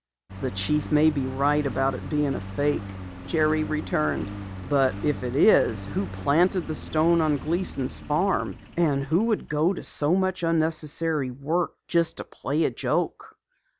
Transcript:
"The Chief may be right about it being a fake," Jerry returned. "But if it is, who planted the stone on Gleason's farm? And who would go to so much unnecessary work just to play a joke?"